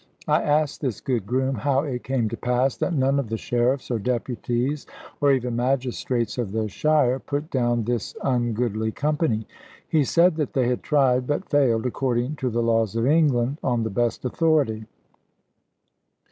I asked this good groom how it came to pass that none of the sheriffs, or deputies, or even magistrates of the shire, put down this ungoodly company. He said that they had tried, but failed, according to the laws of England, on the best authority.